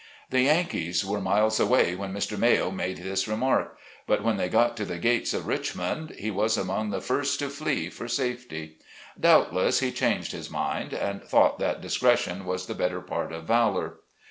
The Yankees were miles away when Mr. Mayo made this remark, but when they got to the gates of Richmond, he was among the first to flee for safety. Doubtless, he changed his mind and thought that discretion was the better part of valor.